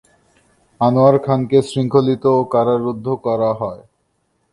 আনোয়ার খানকে শৃঙ্খলিত ও কারারুদ্ধ করা হয়।